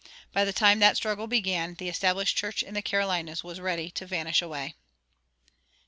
By the time that struggle began the established church in the Carolinas was ready to vanish away.